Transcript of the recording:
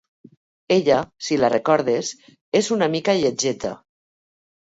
Ella, si la recordes, és una mica lletgeta...